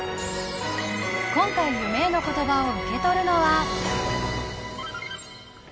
今回夢への言葉を受け取るのは。